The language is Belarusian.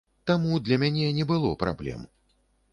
Таму для мяне не было праблем.